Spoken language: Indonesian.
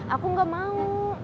aku gak mau